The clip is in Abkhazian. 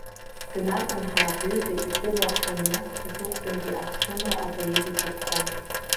Днаргон ҳара ҳҩыза икәыба хымҩа, аҵыхәтәантәи аԥсымра апоет иҿаԥхон.